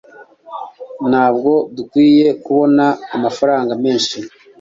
ntabwo dukwiye kubona amafaranga menshi